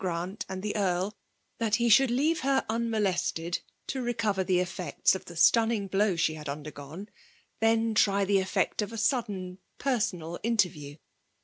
Grant and the Earlj that he should leave her unmolested to recover the effects of the stunning blow she had under* gone ; then try the effect of a sudden personal interview.